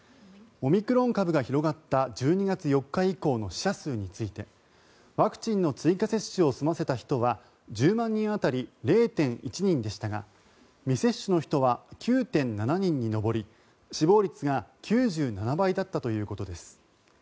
オミクロン株が広がった１２月４日以降の死者数についてワクチンの追加接種を済ませた人は１０万人当たり０．１人でしたが未接種の人は９．７人に上り死亡率が９７倍だったということです。